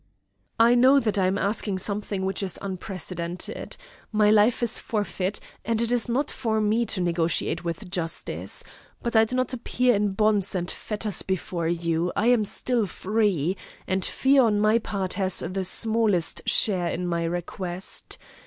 "I know that I am asking something which is unprecedented. My life is forfeit, and it is not for me to negotiate with justice. But I do not appear in bonds and fetters before you I am still free and fear on my part has the smallest share in my request.